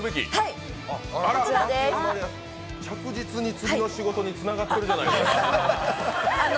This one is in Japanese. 着実に次の仕事につながっているじゃないですか。